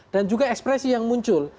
dan juga ekspresi yang muncul